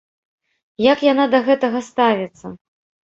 Як яна да гэтага ставіцца?